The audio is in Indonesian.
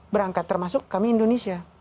berangkat termasuk kami indonesia